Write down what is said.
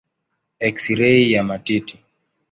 Eksirei ya matiti.